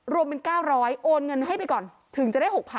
รวมเป็น๙๐๐โอนเงินให้ไปก่อนถึงจะได้๖๐๐